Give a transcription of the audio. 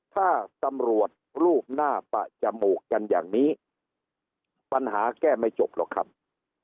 ถ้าตำรวจรูปหน้าปะจมูกกันอย่างนี้ปัญหาแก้ไม่จบหรอกครับ